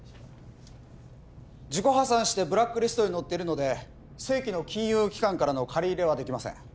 ・自己破産してブラックリストに載っているので正規の金融機関からの借り入れはできません